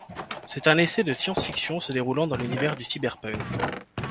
C'est un essai de science-fiction se déroulant dans l'univers du cyberpunk.